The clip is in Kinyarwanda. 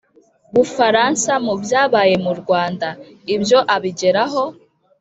bufaransa mu byabaye mu rwanda. ibyo abigeraho